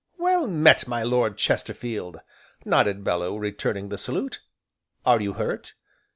"Well met, my Lord Chesterfield!" nodded Bellew, returning the salute, "are you hurt?"